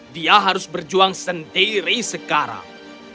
dia harus berjuang sendiri sekarang